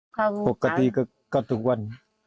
ปกติก็ทุกวัน